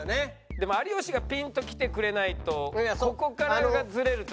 でも有吉がピンときてくれないとここからズレるとしんどい。